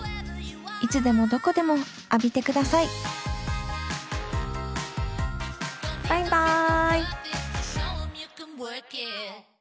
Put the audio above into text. いつでもどこでも浴びてくださいバイバイ。